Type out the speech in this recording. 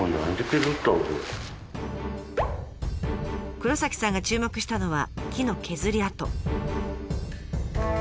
黒崎さんが注目したのは木の削り跡。